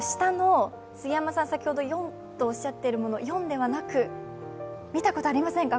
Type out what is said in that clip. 杉山さん、先ほど４と言っていましたが、４ではなく、見たことありませんか？